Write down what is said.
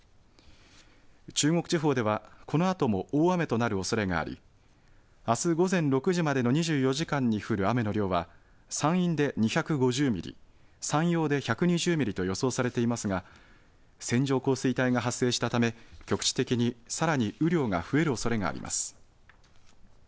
中国地方ではこのあとも大雨となるおそれがあり、あす午前６時までの２４時間に降る雨の量は山陰で２５０ミリ、山陽で１２０ミリと予想されていますが、線状降水帯が発生したため、局地的にさらに雨量が増えるおそれがあります。